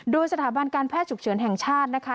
โดยสถาบันการแพทย์ฉุกเฉินแห่งชาตินะคะ